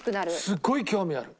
すごい興味ある。